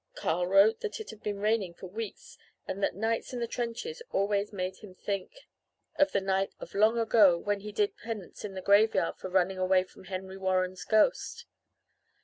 Carl wrote that it had been raining for weeks and that nights in the trenches always made him think of the night of long ago when he did penance in the graveyard for running away from Henry Warren's ghost.